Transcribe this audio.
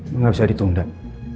tapi gak bisa ditunggak